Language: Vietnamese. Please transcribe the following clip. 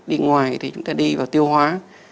đi ngoài thì chúng ta đi vào tiêu hóa